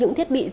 tốt nghiệp đấy